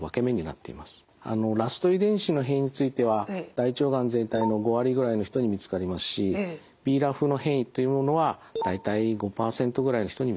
ＲＡＳ遺伝子の変異については大腸がん全体の５割ぐらいの人に見つかりますしＢＲＡＦの変異というものは大体５％ぐらいの人に見つかります。